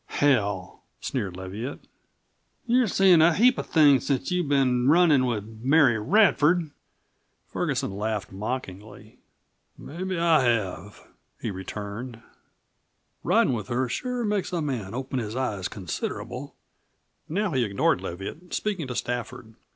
"Hell!" sneered Leviatt, "you're seein' a heap of things since you've been runnin' with Mary Radford!" Ferguson laughed mockingly. "Mebbe I have," he returned. "Ridin' with her sure makes a man open his eyes considerable." Now he ignored Leviatt, speaking to Stafford.